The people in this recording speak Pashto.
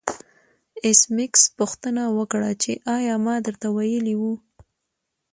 ایس میکس پوښتنه وکړه چې ایا ما درته ویلي وو